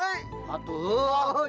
jadi jadi jadi